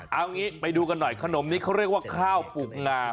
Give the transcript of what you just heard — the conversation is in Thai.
เอางี้ไปดูกันหน่อยขนมนี้เขาเรียกว่าข้าวปลูกงา